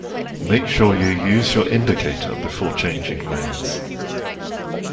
Make sure you use your indicator before changing lanes